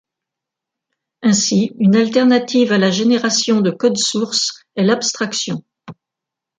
Ainsi une alternative à la génération de code source est l'abstraction.